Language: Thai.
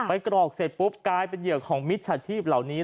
กรอกเสร็จปุ๊บกลายเป็นเหยื่อของมิจฉาชีพเหล่านี้